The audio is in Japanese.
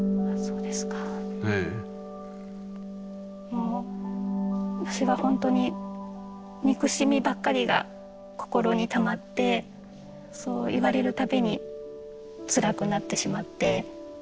もう私はほんとに憎しみばっかりが心にたまってそう言われる度につらくなってしまって。